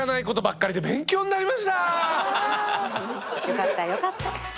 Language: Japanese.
よかったよかった。